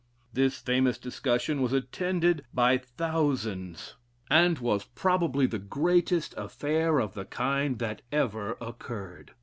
This famous discussion was attended by thousands, and was probably the greatest affair of the kind that ever occurred.